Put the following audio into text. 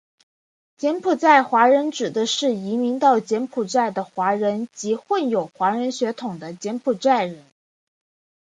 柬埔寨华人指的是移民到柬埔寨的华人及混有华人血统的柬埔寨人。